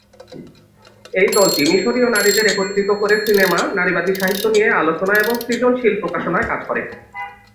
এই দলটি মিশরীয় নারীদের একত্রিত করে সিনেমা, নারীবাদী সাহিত্য নিয়ে আলোচনা এবং সৃজনশীল প্রকাশনায় কাজ করে।